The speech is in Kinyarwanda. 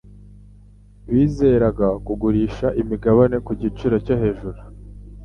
Bizeraga kugurisha imigabane ku giciro cyo hejuru.